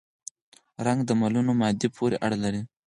رنګ د ملونه مادې پورې اړه لري.